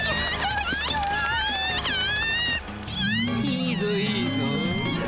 いいぞいいぞ。